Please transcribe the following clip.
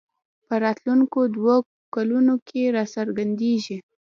په راتلونکو دوو کلونو کې راڅرګندېږي